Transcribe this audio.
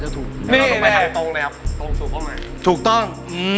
ถูกต้อง